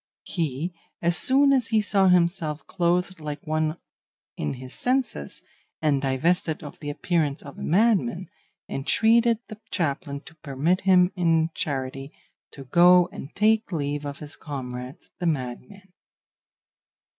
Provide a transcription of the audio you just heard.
He, as soon as he saw himself clothed like one in his senses, and divested of the appearance of a madman, entreated the chaplain to permit him in charity to go and take leave of his comrades the madmen.